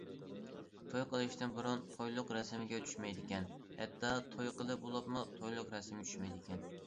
توي قىلىشتىن بۇرۇن تويلۇق رەسىمگە چۈشمەيدىكەن، ھەتتا توي قىلىپ بولۇپمۇ تويلۇق رەسىمگە چۈشمەيدىكەن.